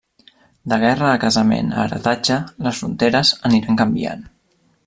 De guerra a casament a heretatge, les fronteres aniran canviant.